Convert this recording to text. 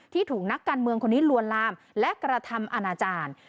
ถูกนักการเมืองคนนี้ลวนลามและกระทำอาณาจารย์